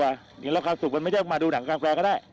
อย่างเงี้ยความสุขมันไม่ได้มาดูหนังกลางแปลก็ได้